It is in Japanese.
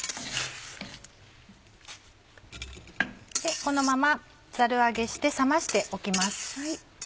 このままザル上げして冷ましておきます。